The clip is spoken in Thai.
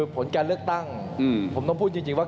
ผลการเลือกตั้งผมต้องพูดจริงว่า